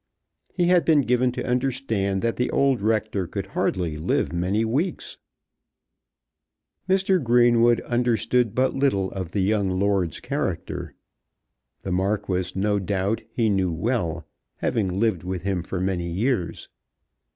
He had been given to understand that the old rector could hardly live many weeks. Mr. Greenwood understood but little of the young lord's character. The Marquis, no doubt, he knew well, having lived with him for many years.